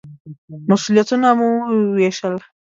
مسوولیتونه مو ووېشل.